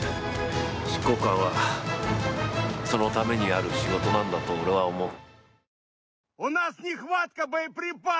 執行官はそのためにある仕事なんだと俺は思う。